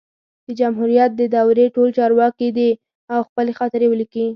د جمهوریت د دورې ټول چارواکي دي او خپلي خاطرې ولیکي